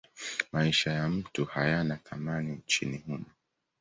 Maisha ya mtu hayana thamani nchini humo.